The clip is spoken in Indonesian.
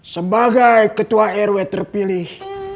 sebagai ketua rw terpilih